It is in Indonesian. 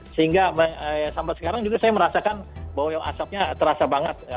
sehingga sampai sekarang juga saya merasakan bahwa asapnya terasa banget